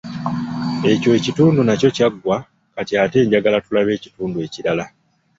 Ekyo ekitundu nakyo kyaggwa, kati ate njagala tulabe ekitundu ekirala.